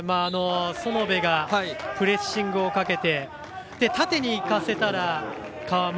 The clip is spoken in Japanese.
園部がプレッシングをかけて縦にいかせたら川村。